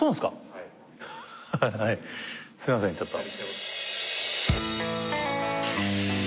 ははははっはいすいませんちょっと。